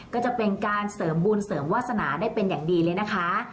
ก็จะเป็นการเสริมบุญเสริมวาสนาได้เป็นอย่างดีเลยนะคะ